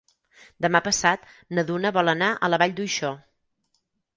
Demà passat na Duna vol anar a la Vall d'Uixó.